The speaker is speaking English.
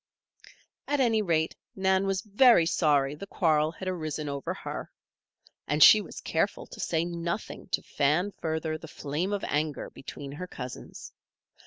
At any rate Nan was very sorry the quarrel had arisen over her. And she was careful to say nothing to fan further the flame of anger between her cousins.